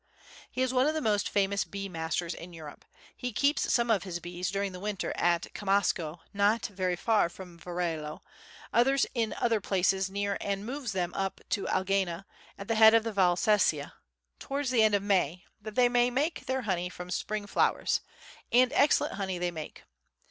He is one of the most famous bee masters in Europe. He keeps some of his bees during the winter at Camasco not very far from Varallo, others in other places near and moves them up to Alagna, at the head of the Val Sesia, towards the end of May that they may make their honey from the spring flowers—and excellent honey they make.